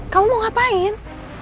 kamu mau ngapain